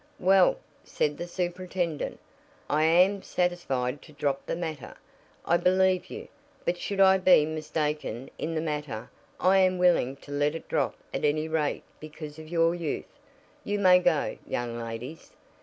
"Well," said the superintendent, "I am satisfied to drop the matter. I believe you, but should I be mistaken in the matter I am willing to let it drop at any rate because of your youth. You may go, young ladies."